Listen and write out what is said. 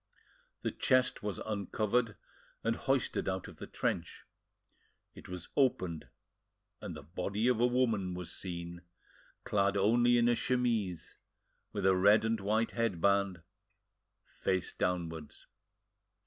The chest was uncovered and hoisted out of the trench; it was opened, and the body of a woman was seen, clad only in a chemise, with a red and white headband, face downwards.